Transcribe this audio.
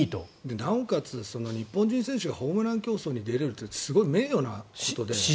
なおかつ、日本人選手がホームラン競争に出られるって名誉なことで。